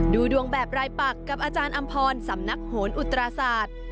ดูดวงแบบรายปักกับอาจารย์อำพรสำนักโหนอุตราศาสตร์